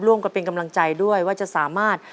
ก็เป็นกำลังใจด้วยว่าจะสามารถ